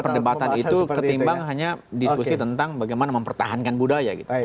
perdebatan itu ketimbang hanya diskusi tentang bagaimana mempertahankan budaya gitu